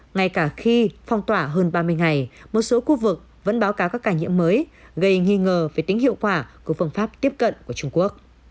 ngay cả khi phong tỏa hơn ba mươi ngày một số khu vực vẫn báo cáo các ca nhiễm mới gây nghi ngờ về tính hiệu quả của phương pháp tiếp cận của trung quốc